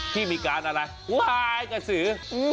ที่มีการอะไรวายกระสือ